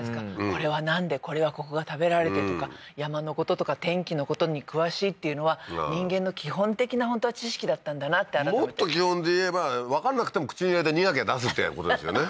これはなんでこれはここが食べられてとか山のこととか天気のことに詳しいっていうのは人間の基本的な本当は知識だったんだなってもっと基本でいえばわかんなくても口に入れて苦けりゃ出すってことですよね